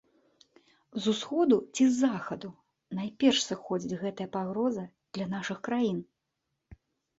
З усходу ці з захаду найперш сыходзіць гэтая пагроза для нашых краін?